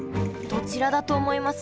どちらだと思います？